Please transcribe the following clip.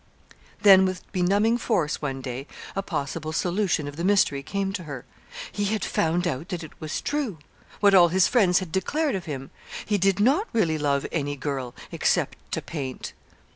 Then, with benumbing force, one day, a possible solution of the mystery came to her, he had found out that it was true (what all his friends had declared of him) he did not really love any girl, except to paint!